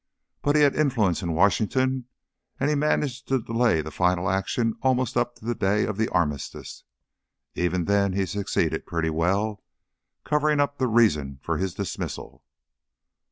But he had influence in Washington, and he managed to delay final action almost up to the day of the armistice. Even then he succeeded in pretty well covering up the reason for his dismissal."